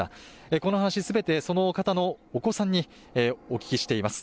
この話、すべてその方のお子さんにお聞きしています。